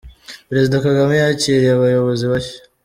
Perezida Kagame yakiriye abayobozi bashya